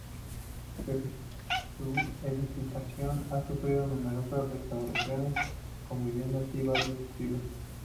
Su edificación ha sufrido numerosas restauraciones, conviviendo así varios estilos.